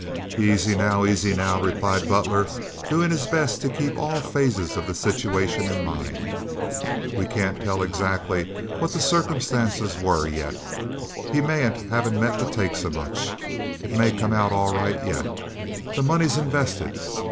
"Aisy, now! Aisy, now!" replied Butler, doing his best to keep all phases of the situation in mind. "We can't tell exactly what the circumstances were yet. He mayn't have meant to take so much. It may all come out all right yet. The money's invested.